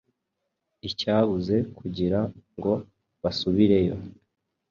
icyabuze kugira ngo basubireyo.